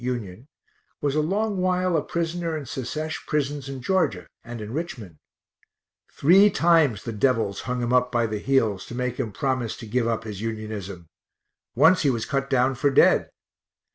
(Union), was a long while a prisoner in Secesh prisons in Georgia, and in Richmond three times the devils hung him up by the heels to make him promise to give up his Unionism; once he was cut down for dead.